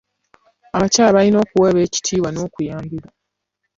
Abakyala bayina okuweebwa ekitiibwa n'okuyambibwa.